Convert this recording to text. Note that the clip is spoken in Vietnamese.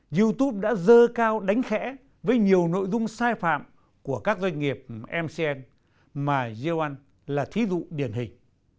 youtube đã dơ cao đánh khẽ với nhiều nội dung sai phạm của các doanh nghiệp mcn mà yeo an là thí dụ điển hình